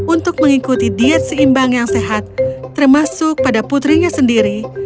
untuk mengikuti diet seimbang yang sehat termasuk pada putrinya sendiri